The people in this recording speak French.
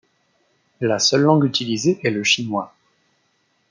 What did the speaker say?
La seule langue utilisée est le chinois.